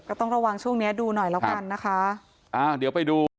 ก็ต้องระวังช่วงเนี้ยดูหน่อยแล้วกันนะคะอ่าเดี๋ยวไปดู